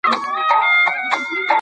سيالي بايد په ښو کارونو کې وي.